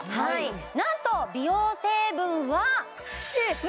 なんと美容成分はえっ！